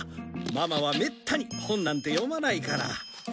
ママはめったに本なんて読まないから。